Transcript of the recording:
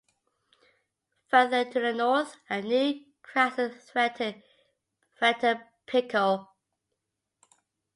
Further to the north, a new crisis threatened Fretter-Pico.